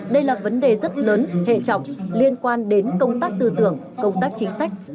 đây là vấn đề rất lớn hệ trọng liên quan đến công tác tư tưởng công tác chính sách